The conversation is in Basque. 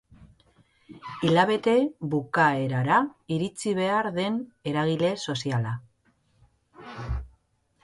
Hilabete bukaerara iritsi behar den eragile soziala.